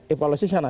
evaluasi di sana